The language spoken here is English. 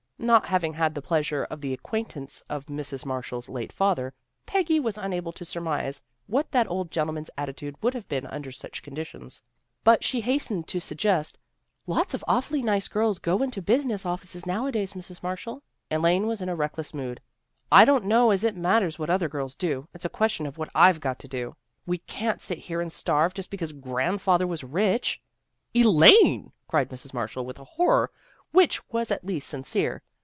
Not having had the pleasure of the acquaint ance of Mrs. Marshall's late father, Peggy was unable to surmise what that old gentleman's attitude would have been under such conditions. But she hastened to suggest, " Lots of awfully nice girls go into business offices nowadays, Mrs. Marshall." Elaine was in a reckless mood. " I don't know as it matters what other girls do. It's a question of what I've got to do. We can't sit here and starve, just because grandfather was rich." " Elaine! " cried Mrs. Marshall with a horror which was at least sincere.